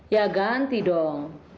ya ganti dong